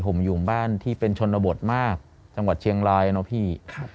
ผมอยู่บ้านที่เป็นชนบทมากจังหวัดเชียงรายเนอะพี่